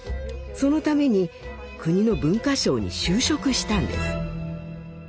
そのために国の文化省に就職したんです。